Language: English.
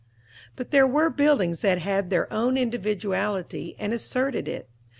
But there were buildings that had their own individuality, and asserted it.